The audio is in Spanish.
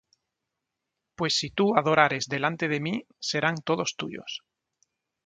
Pues si tú adorares delante de mí, serán todos tuyos.